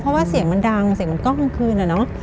เพราะว่าเสียงมันดังเสียงมันกล้องกลางคืนอะเนาะ